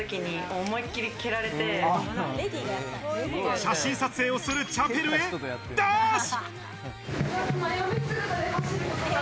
写真撮影をするチャペルへダッシュ！